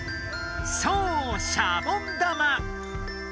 そうシャボン玉！